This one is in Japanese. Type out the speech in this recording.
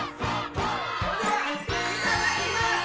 それではいただきます！